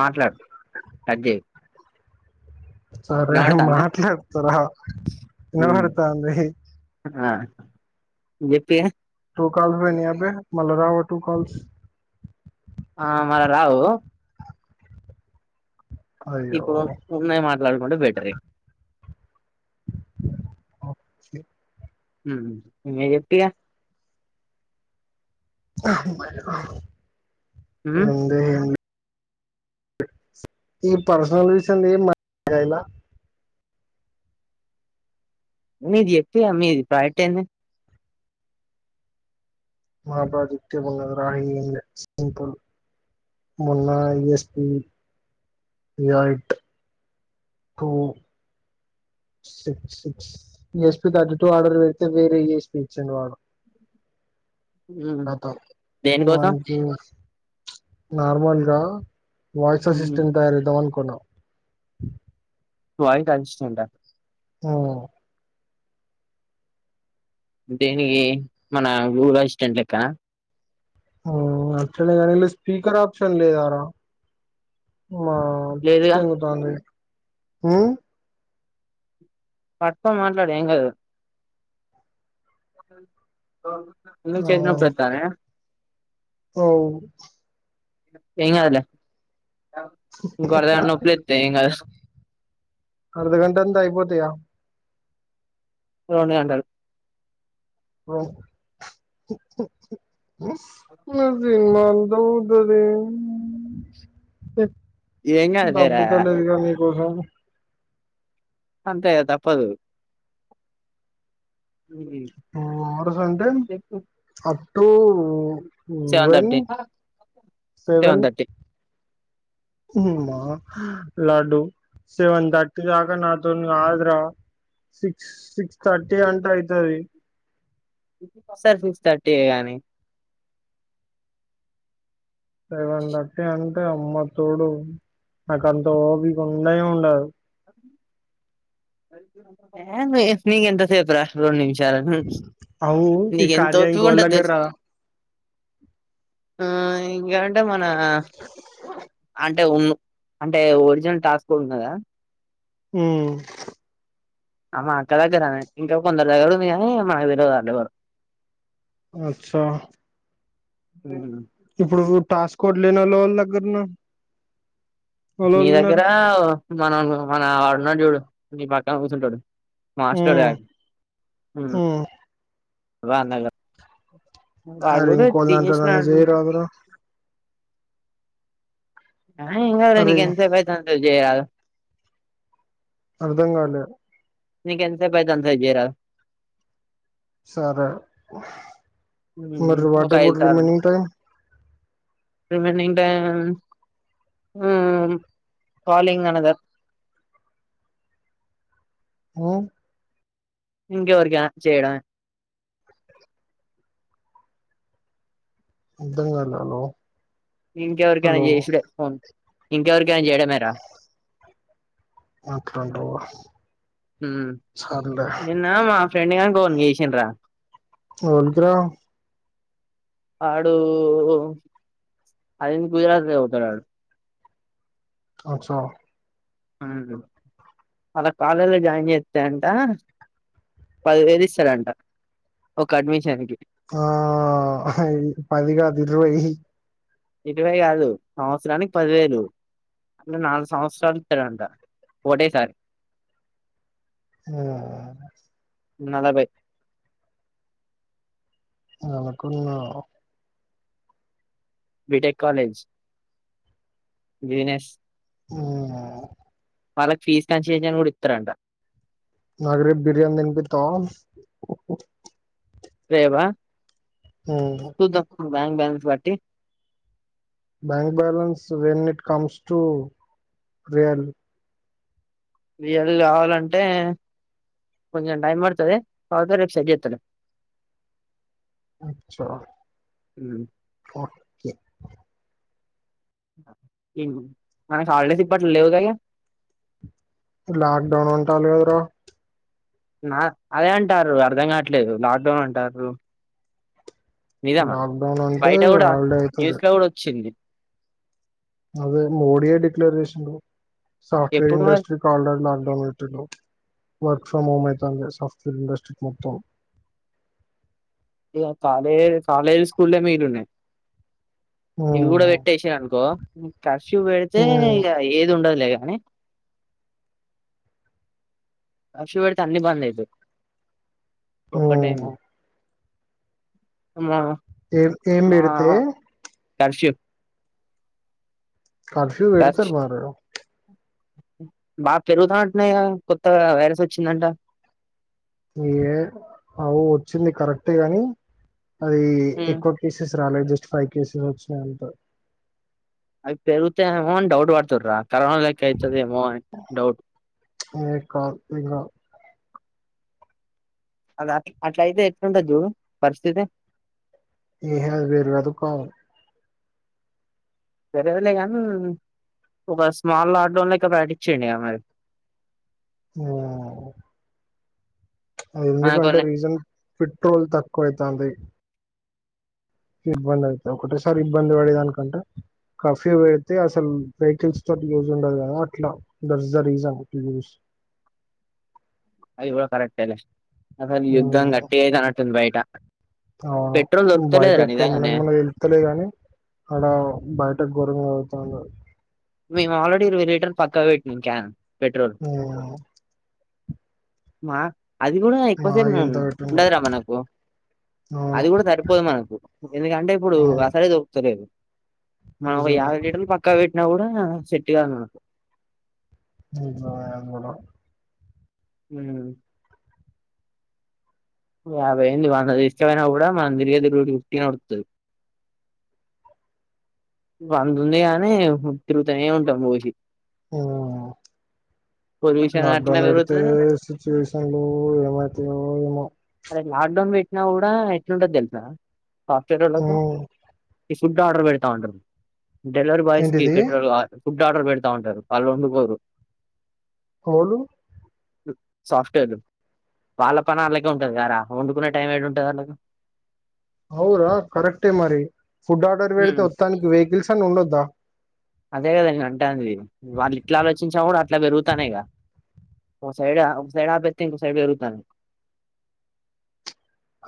మాట్లాడు కట్ చేయకు సరే వినపడతాందా మాట్లాడ్తారా నినబడుతాంది. జెప్పియే టు కాల్స్ అయినయా [unintelligible] మల్లరావ టూ కాల్స్ ఆ మళ్ళ రావు అయ్యో ఇప్పుడు ఉన్నయ్ మా ట్లాడుకంటే బెటరె ఓకె మ్మ్ ఇంగ జెప్పిగ అమ్మెలుగు ఉమ్ ఎంది ఎం ఈ పర్సనల్ విషయంలో ఏం మా [unintelligible] లా మీదె ఇప్పియా మీది పై కైంది మా ప్రాజెక్ట్ ఏమున్నది రా యేం లే సింపుల్ మొన్న ఎస్పి యైయిట్ కూ సిక్స్ ఎస్పి తగ్గట్టు వాడర్ వెడితే వేరే ఈ లే స్పీచ్ వాడు ఉమ్ నాతో దేనికోసం మన్ కి ప్చ్ నార్మల్ గా ఒ వయిసస్ ఉమ్ సిస్టెమ్ తయారు తేద్దవను కొన్నా వై కన్ సుంటా ఆ దేనిగి మన ఊరు అస్స్టెంట్లక ఓ ఆక్చువల్లీ దానిలో స్పీకర్ ఆప్షన్ లేదార మా లేదుగా తెంగ తండవి హ్మ్ పట్టుకొని మాట్లాడు ఎం గాదు ఎందుకు చేతినొప్పులొత్తనాయ ఔ ఏంగాదులే ఇంకొ అరగంట్ నొప్పులొత్తే ఏం గాద్ అర్ధగంట అంతా అయిపోతయా రోన్ [unintelligible] బ ఉ సినిమా దౌ ధరే స దొబ్బుతా లేదుగా మీరు ఓహో అంతే గా తప్పదు ఆరు కంటే చెప్పు up to seven when thirty seven ఉమా హు లడ్డు సెవెన్ థర్టీ దాకా నాతోనీ కాదురా సిక్స్ సిక్స్ థర్టీ అంటే అయితది సర్ సిక్స్ థర్టీ ఏ గాని సెవెన్ థర్టీ అంటే కే అమ్మ తోడు నాక అంత ఓపిక ఉండేనే ఉండదు ఏందీ నీ ఎంత సేపు రా రొన్ని అవు ఈ [unintelligible] ఓపిక ఇంకోలా ఉంటది తెలుసు దగ్గరా రా ఆ ఇంకేం అంటే మన అంటే ఉన్న అంటే ఒరిజినల్ టాస్క్ కదా హు అమ్మా అక్క దగ్గర ఇంకా కొందరు దగ్గర ఉంది కానీ మనకు తెలవదు వాళ్ళు ఎవరో అచ్చా ఇప్పుడు టాస్క్ లేనొల్ల దగ్గర నా మీ దగ్గర మనం మన వాడు చూడు నీ పక్కన కూర్చుంటాడు మాస్టర్ ఆ ఉమ్ హు ఉమ్ రాంనగర్ అరి ఇం [unintelligible] చేయరాదురా ఆహా ఏం కాదురా అరే నీకు ఎంతసేపు అయితంది చెక్ చేయాలా అర్ధం కాలే నీకు ఎంత సేపు [unintelligible] రా సరే మ్మ్. ఒక ఐదు [unintelligible] సార్లు నింగ్ టైం రిమైనింగ్ టైం కాలింగ్ మ్ అనదర్ ఓ ఇంకేవరికి ఆఫ్ చేయడ అర్ధం కాలేదు ఇంకెవరికైనా చేసుడే ఫోన్ ఇంకెవరి కైన చేయడమేరా అట్లాంవ్ మ్ నిన్నా మా ఫ్రెండ్గాన్ ఫోన్కి చేసింన్రా ఎవనికి రా ఆడు అది గుజరాత్ల చదుతడు ఆడు అచ్చా మ్ అల్ల కాలేజ్ల జాయిన్ చేస్తే అంట పదివేలు ఇస్తారంట ఒక అడ్మిషన్కి ఆ పదిగాదు ఇరవై ఇరవై కాదు సంవత్సరానికి పదివేలు అంటే నాలుగు సంవత్సరాలు ఇస్తాడంట ఒకటేసారి ఆ నలభై అనకున్నా బీటెక్ కాలేజ్ బిజినెస్ ఆ వాళ్ళ ఫీజ్ కన్సలేషన్ గుడా ఇత్తరంట. నాక్ రేప్ బిర్యాని తిన్పిత్తవా రేపా ఆ చూద్దాం బ్యాంక్ బ్యాలెన్స్ బట్టి bank balance when it comes to real real కావాలంటే కొంచం టైం పడ్తది కాకపోతే రేప్ సెట్ చేస్తాలె అచ్చ మనక్ హాల్డేస్ ఇప్పట్ల లేవు కదా లాక్ డౌన్ అంటాన్లు కదరా నా అదే అంటారు అర్ధం కావట్లేదు లాక్డౌన్ అంటాన్రూ నిజమా లాక్డౌన్ అంటే బయట గుడా హాలిడే అవుతుంది న్యూస్లో గుడా వచ్చింది. అదే మోడీయే డిక్లర్ చేసిండు. సాఫ్ట్వేర్ ఎప్పుడు ఇండస్ట్రి [unintelligible] లాక్డౌన్ పెట్టింరు వర్క్ ఫ్రమ్ హోమ్ అయితాంది సాఫ్ట్వేర్ ఇండస్ట్రీ మొత్తం ఇగ కాలే కాలేజ్, స్కూల్లేమో ఈడ ఉన్నాయి. ఇవి గుడ ఉమ్, వెట్టచ్చి అనుకో కర్ఫ్యూ పెడితే ఉమ్, ఇగ ఏదుండదులే అనీ [unintelligible] అన్ని బంద్ అయితయి ఆ అమ్మ ఏం ఏం పెడితే కర్షిప్ కర్ఫ్యూ పెడతు కర్ఫ్ మార బాగా పెరుగుతా అంటున్నాయా కొత్త వైరస్ వచ్చిందంట ఏ అవు వచ్చింది కరెక్ట్ గాని అది ఎక్కువ పసెస్ రాల జస్ట్ ఫైవ్ కేసెస్ వచ్చినాయంట అవి పెరుగుతతే అమో డౌట్ పడుతవ రా కారణాలకిచ్చదిమో డౌట్ ఏ కాధు ఇంకా అ అట్లా అయితే ఎట్లంత జవు పరిస్థితి ఏహ వేరు అదుక సరేదులే నీ ఒక స్మాల్ ఆడ్డౌన్ లక ప్రాక్టిస్ చేయండి మరి ఉమ్ ఎందుకంటే మనకోన్నే రీజన్ పెట్రోల్ తక్కువ అతుంది ఇబ్బంది అవుత ఒకటేసారి ఇబ్బంది పడేదానికంటే కర్ఫ్యూ పెడితే అసలు వెహికల్స్ తోటి యూజ్ ఉండదు కదా అట్లా దట్స్ ద రీజన్ టు చుస్ అది ఇ కరెట్ అలే అస యుద్ధాంగా గట్టి అయితే అటుంది బయట ఆ పెట్రోల్ బయట దొరుకుతలేదురా ఇక్కడ నిజంగానే మనకి మన వెళ్తలే గాని అక్కడ బయట ఘోరంగా అ తను పక్క పెట్టి క్యాన్ పెట్రోల్ ఉమ్ మా అది కూడా మా ఎక్కువసేపు ఎంత పెట్టిండో ఉండదురా మనకు అవును అది కూడా సరిపోదు మనకు ఎందుకంటే ఇప్పుడు అవును అసలేే దొకుతలేదు అయా నిజమే వట పక్కా వట్ ఎపుద్యన సెట్గా కధు నాకు ఇ అదిగల ఉమ్ యాభై అంది వంద ఇష్టపోయినా కూడా మనం తిరిగే తి ఫిఫ్టీన్ పడుతుంది వంద ఉంది గానీ తిరుగుతూనే ఉంటాం బోసి ఉమ్ పొల్యూషన్ అట్లనే లాక్డౌన్ పెడితే పెరుగుతది సిచ్యువేషన్ లో ఏమైతాయో ఏమో లాక్ డౌన్ పెట్టినా కూడా ఎట్లుంటది తెలుసా పచాడోలకు ఉమ్, ఇ ఫుడ్ ఆర్డర్ పెడతా ఉంటారు డలివీరి బాయ్స్కి ఏంటిది పెట్రోల్ ఆర్డర్ పెడతా ఉంటారు వాళ్ళు వండుకోరు హలు సాఫ్ట్వేర్లు వాళ్ళ పని వాళ్ళకే ఉంటది కదా రా వండుకునే టైం ఏడ ఉంటది వాళ్ళకి అవురా కరెక్టే మరిీ ఫుడ్ ఆర్డర్ పెడితే వత్తానికి వే విల్సన్ ఉండొద్దా అదే నన్ వాళ్ళు ఇట్లా ఆలోచించా కూడా అట్లా పెరుగుతానయిగా ఒక సైడ్ ఒక సైడ్ ఆపేత్తే ఇంకో సైడ్ పెరుగుతానయ్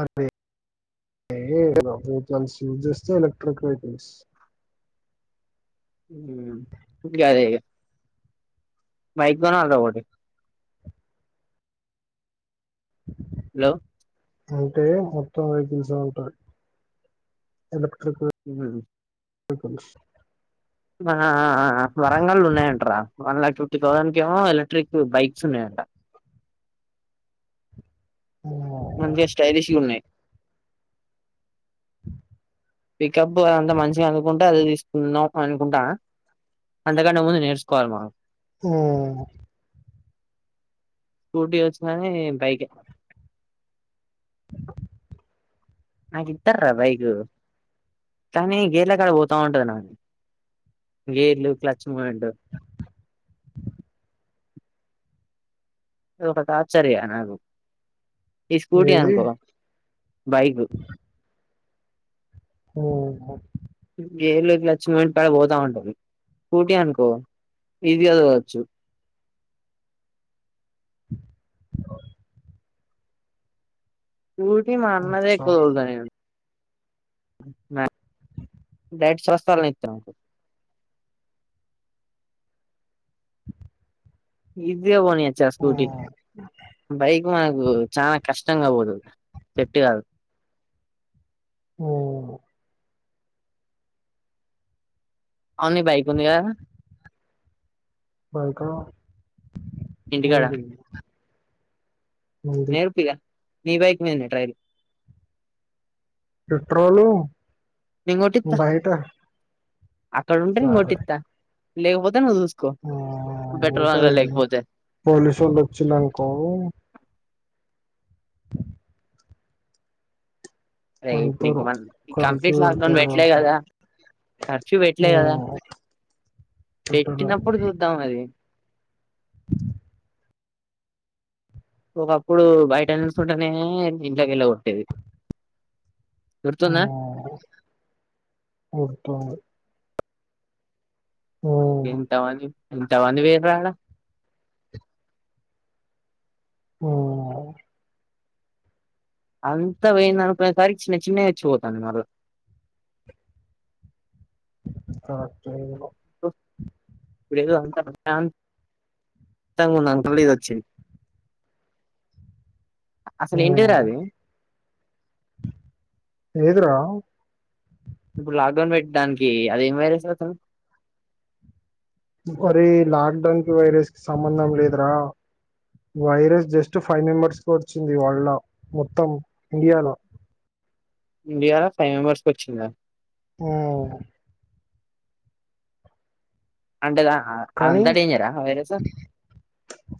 అదే వెికల్స్ యూజ్ చేస్తే ఎలక్ట్రిక్ వెహికల్స్ ఉమ్ బైక్ గొనాల్రా ఒకటి హలో అంటే మొత్తం వెహికల్స్ ఉంటాయి ఎలక్ట్రిక్ [unintelligible] వేకిల్స్ ఆ అ ఆ వరంగల్లు ఉన్నాయంటారా వన్ లాక్ ఫిఫ్టీ థౌసండ్ కే ఏమో ఎలక్ట్రిక్ బైక్స్ ఉన్నాయంట మంచిగా స్టైలిష్ గా ఉన్నాయి పికప్ అదంతా మంచిగా అనుకుంటే అదేతీసు దాం అనుకుంటాన అంతకంటే ముందు నేర్సుకోవాలి మనం ఆ స్కూటీ వచ్చుకాని బైక్ ఎ నాకు ఇత్తర్రా బైకు కానీ గేర్ల కాడ పోతా ఉంటది నాది గేర్లు క్లచ్ మూమెంట్ అది ఒక టార్చర్ ఇగ నాకు ఈ స్కూటీ ఏది అనుకో బైక్ అవునా గేర్లు క్లచ్చు లుంటే అది పోతా ఉంటది స్క్యూటీ అనుకో ఈజీగా తోలచ్చు అవు స్క్యూటీ మా అన్నదే అచ్చా ఎక్కువ తోలుతా నేను డైట్ స్వస్ [unintelligible] ఇ గా పోనియచ్చా ఆ స్కూటీ ఉమ్ బైక్ మనకు చాలా కష్ కష్టంగా పోతది సెట్టు కాదు ఆ అవు న్ని బైక్ ఉందిగదా రా బైకా [unintelligible] నేర్పిగా నీ బైక్ మీదనే ట్రైలు పెట్రోలు కొట్టిత్తా బయట అక్కడ ఉంటే నేన్గొటిత్త లేకపోతే నువు ఆ ఉంటాయ్ పోలీసోళ్ళు వచ్చినాకా అరే ఇప్పుడు ఇంక వెళ్తారు మన కలిసి కంప్లీట్ లాక్డౌన్ వెళ్తారు పెట్టలే వాళ్ళతో కదా కర్ఫ్యూ పెట్టలే కదా హ్మ్ పెట్టదా పెట్టినప్పుడు చూద్దాం అది ఒకప్పుడు బయట నిలుచుంటేనే ఇంట్లోకి ఎళ్ళ కొట్టేది ఆ గుర్తుందా గుర్తుంది హ్మ్ ఏంతమంది ఎంతమంది పోయన్రాడ హ్మ్ అంత పోయినక తారీఖ్ చిన్న చిన్నయ్ వచ్చి పోతున్నారు కరెక్టే అది ఇప్పుడేదో అంత ప్రశాతంగా అనుకున మళ్ల ఇదీ వచ్చింది అసలు మ్ ఏంటిదిరా అది లేదురా [unintelligible] ఇప్పుడు లాక్డౌన్ పెట్టడానికి అది ఏం వైరస్ అసలు మరి లాక్డౌన్ కి వైరస్ కి సంబంధం లేదురా వైరస్ జస్ట్ ఫైవ్ మెంబర్స్ కి వచ్చింది వాళ్ళ మొత్తం ఇండియాలో [unintelligible] ఇండియాల ఫైవ్ మెంబర్స్ కొచ్చిందా ఉమ్ అంటే దా కానీ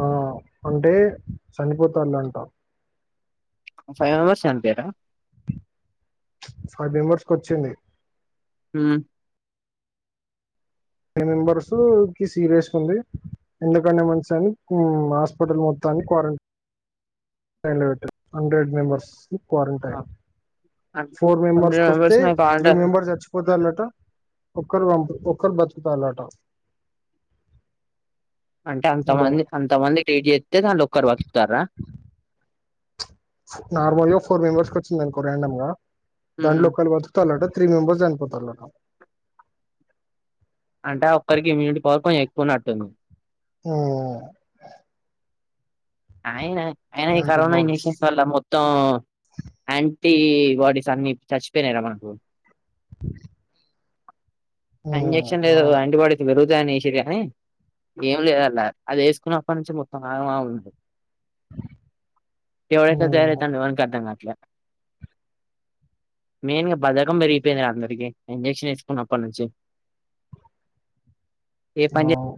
ఆ అంటే చనిపోతాళంటా ఫైవ్ మెంబర్స్ చనిపోయిరా ఫైవ్ మెంబర్స్ కొచ్చింది మ్ మెంబర్స్ కీ సీరియస్ గుంది ఎందుకనే మంచిదని హాస్పిటల్ మొత్తాన్ని క్వారంటైన్లో పెట్టారు హండ్రెడ్ మెంబర్స్కి క్వారంటైన్ ఫోర్ మెంబర్స్ హండ్రెడ్ కొస్తే నాకు త్రీ కావాలంటే మెంబర్స్ చచ్చిపోత గాలట ఒకరు ఒకరు బతుకుతాళ్ళట అంటే అంతమంది అంతమందికి ట్రీట్ చేస్తే దాంలో ఒక్కరు బతుకుతారా నార్మల్ గా ఫోర్ మెంబర్స్ వచ్చిందనుకో రాండమ్ గా దాంలో హ్మ్ ఒక్కల్లు బతుకుతాలంట త్రీ మెంబర్స్ చనిపోతాలంట అంటే ఒక్కరికి ఇమ్యూనిటీ పవర్ కొంచెం ఎక్కువు నట్టు ఆ అయనా అయినా ఈ అలాంటి కరోనా బాడీస్ ఇన్ఫెక్షన్స్ వల్ల మొత్తం యాంటీ బాడీస్ అన్ని చచ్చిపోయినాార మనకు [inaudible] ఉమ్ ఇంజెక్షన్ లేదు అవును యాంటీబాడీకి ఇపుడు ఏ సిరిగాని ఏం లేదంట అది వేసుకున్నప్పటి నుంచి మొత్తం ఆ ఉండదు ఎవడ్ ఎట్ల ఉమ్ తయారైతండో వాడికే అర్థం కావట్ల మెయిన్ గా బద్ధకం పెరిగిపోయింది అందరికి ఇంజెక్షన్ ఏయించుకున్నప్పటి నుంచి ఏ పని అవును